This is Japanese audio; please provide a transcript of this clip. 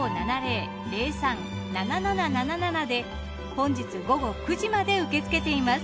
本日午後９時まで受け付けています。